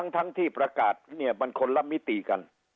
ทั้งที่ประกาศเนี่ยมันคนละมิติกัน